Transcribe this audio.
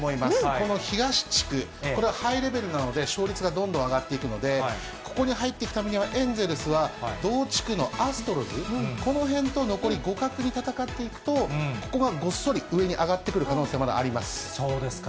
この東地区、これ、ハイレベルなので、勝率がどんどん上がっていくので、ここに入っていくためには、エンゼルスは、同地区のアストロズ、このへんと残り互角に戦っていくと、ここがごっそり上に上がってそうですか。